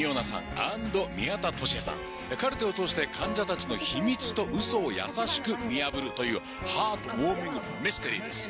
カルテを通して患者たちの秘密とウソを優しく見破るというハートウオーミングミステリーです。